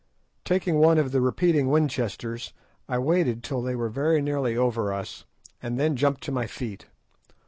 Taking one of the repeating Winchesters, I waited till they were nearly over us, and then jumped to my feet.